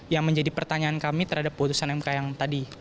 yang menjadi pertanyaan kami terhadap putusan mk yang tadi